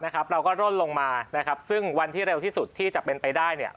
เราก็ร่นลงมานะครับซึ่งวันที่เร็วที่สุดที่จะเป็นไปได้เนี่ย